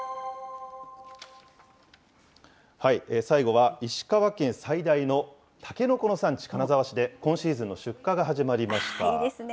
最後は石川県最大のたけのこの産地、金沢市で今シーズンの出荷が始まりました。